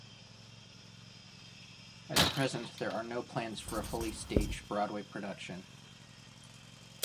At present, there are no plans for a fully staged Broadway production.